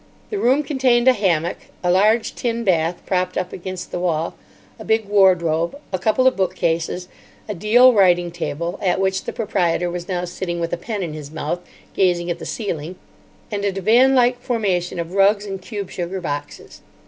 The room contained a hammock, a large tin bath, propped up against the wall, a big wardrobe, a couple of bookcases, a deal writing table—at which the proprietor was now sitting with a pen in his mouth, gazing at the ceiling—and a divan like formation of rugs and cube sugar boxes.